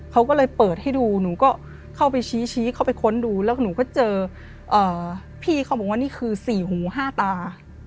เขาก็เลยเปิดให้ดูหนูก็เข้าไปชี้เข้าไปค้นดูแล้วหนูก็เจอพี่เขาบอกว่านี่คือสี่หูห้าตา